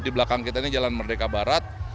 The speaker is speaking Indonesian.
di belakang kita ini jalan merdeka barat